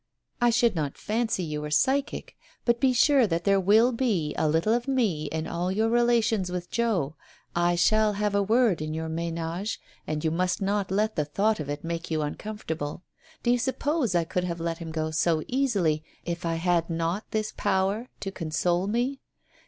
I should not fancy you were psychic. But be sure that there will be a little of me in all your relations with Joe, I shall have a word in your menage and you must not let the thought of it make you uncomfortable. Do you suppose I could have let him go so easily, if I had not this power to console me?